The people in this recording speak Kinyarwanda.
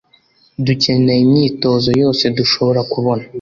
Dukeneye imyitozo yose dushobora kubona